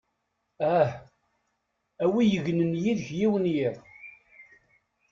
Ah; a wi yegnen yid-k yiwen n yiḍ!